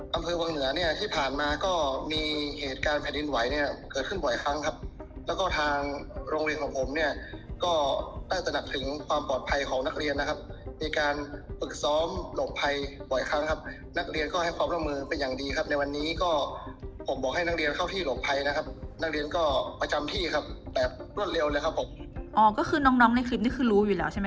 อำเภอวังเหนือเนี่ยที่ผ่านมาก็มีเหตุการณ์แผ่นดินไหวเนี่ยเกิดขึ้นบ่อยครั้งครับแล้วก็ทางโรงเรียนของผมเนี่ยก็ได้ตนัดถึงความปลอดภัยของนักเรียนนะครับมีการปึกซ้อมหลบภัยบ่อยครั้งครับนักเรียนก็ให้ความร่วมมือเป็นอย่างดีครับในวันนี้ก็ผมบอกให้นักเรียนเข้าที่หลบภัยนะครับนั